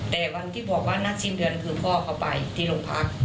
แต่วันที่บอกว่านัดสิ้นเดือนคือพ่อเขาไปที่โรงพัก